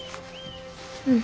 うん。